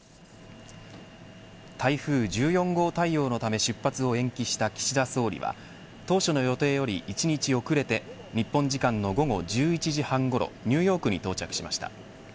台風１４号対応のため出発を延期した岸田総理は当初の予定より１日遅れて日本時間の午後１１時半ごろニューヨークに到着しました。